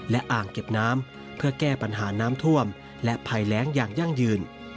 และอ่างเก็บน้ำเพื่อแก้ปัญหาน้ำท่วมและภัยแรงอย่างยั่งยืน